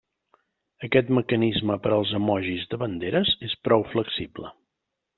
Aquest mecanisme per als emojis de banderes és prou flexible.